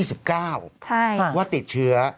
ใช่ว่าติดเชื้อ